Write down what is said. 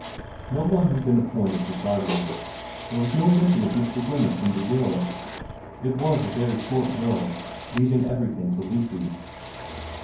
No one had been appointed her guardian. There was no mention of Mr. Wemyss in the will. It was a very short will, leaving everything to Lucy.